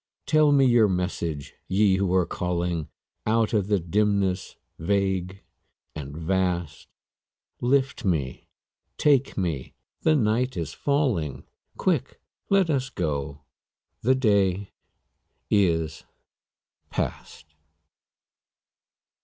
Tell me your message, Ye who are calling Out of the dimness vague and vast; Lift me, take me, the night is falling; Quick, let us go, the day is past.